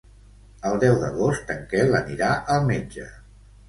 El deu d'agost en Quel anirà al metge.